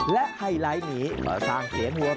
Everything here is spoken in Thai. และไฮไลท์นี้เกิดสร้างเกลียดหัวของทุกคน